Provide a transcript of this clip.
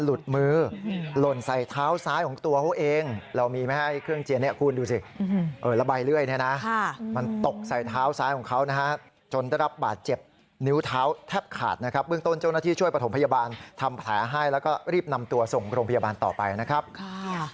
หลุดมือหล่นใส่เท้าซ้ายของตัวเขาเองเรามีไม่ให้เครื่องเจียนเนี่ยคุณดูสิระบายเลื่อยเนี่ยนะมันตกใส่เท้าซ้ายของเขานะฮะจนได้รับบาดเจ็บนิ้วเท้าแทบขาดนะครับเบื้องต้นเจ้าหน้าที่ช่วยประถมพยาบาลทำแผลให้แล้วก็รีบนำตัวส่งโรงพยาบาลต่อไปนะครับ